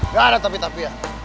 gak ada tapi tapi ya